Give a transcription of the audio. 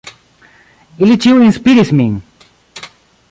Ili ĉiuj inspiris min.